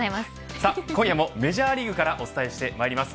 今夜もメジャーリーグからお伝えしてまいります。